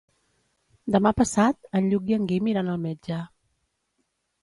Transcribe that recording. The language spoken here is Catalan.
Demà passat en Lluc i en Guim iran al metge.